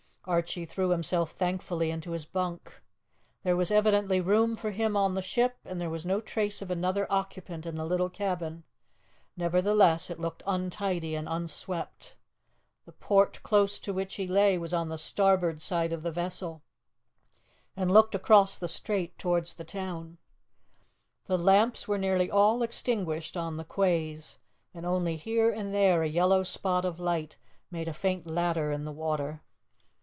Archie threw himself thankfully into his bunk. There was evidently room for him on the ship, for there was no trace of another occupant in the little cabin; nevertheless, it looked untidy and unswept. The port close to which he lay was on the starboard side of the vessel, and looked across the strait towards the town. The lamps were nearly all extinguished on the quays, and only here and there a yellow spot of light made a faint ladder in the water.